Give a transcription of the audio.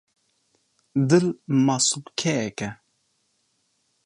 Dil masûlkeyek e.